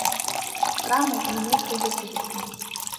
З крамай, не менш кругласутачнай.